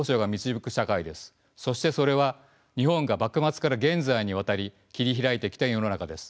そしてそれは日本が幕末から現在にわたり切り開いてきた世の中です。